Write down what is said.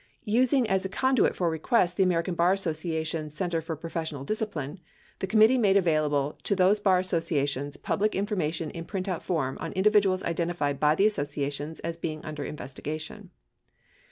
Using as a conduit for requests the American Bar Association Center for Professional Discipline, the. committee made available to these bar associations public informa tion in printout form on individuals identified by the associations as being under investigation.